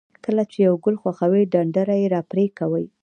کله چې یو ګل خوښوئ د ډنډره یې را پرې کوئ.